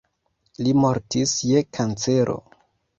Li mortis je kancero.